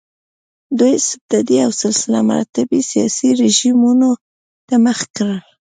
دوی استبدادي او سلسله مراتبي سیاسي رژیمونو ته مخه کړه.